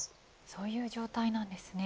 そういう状態なんですね。